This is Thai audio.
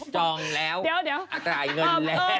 จองแล้วอันตรายเงินแหละ